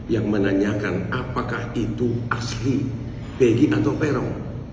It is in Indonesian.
yang menanyakan apakah itu asli begi atau peron